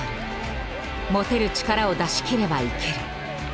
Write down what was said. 持てる力を出し切ればいける」。